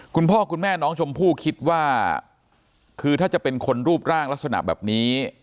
คุณพ่อคุณแม่น้องชมพู่คิดว่าคือถ้าจะเป็นคนรูปร่างลักษณะแบบนี้